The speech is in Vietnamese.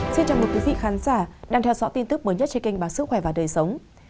xin chào mời quý vị khán giả đang theo dõi tin tức mới nhất trên kênh báo sức khỏe và đời sống